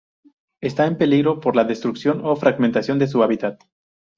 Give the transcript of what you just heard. Está en peligro por la destrucción o fragmentación de su hábitat.